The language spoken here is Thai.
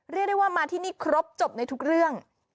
เรียกได้ว่ามาที่นี่ครบจบในทุกเรื่อง